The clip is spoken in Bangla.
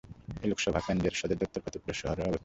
এই লোকসভা কেন্দ্রের সদর দফতর ফতেপুর শহরে অবস্থিত।